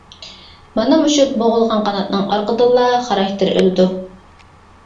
مانا مۇشۇ بوغۇلغان قاناتنىڭ ئارقىدىنلا، خاراكتېر ئۆلىدۇ.